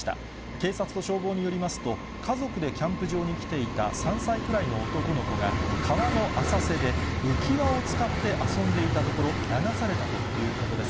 警察と消防によりますと、家族でキャンプ場に来ていた３歳くらいの男の子が、川の浅瀬で浮き輪を使って遊んでいたところ、流されたということです。